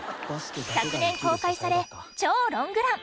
昨年、公開され超ロングラン！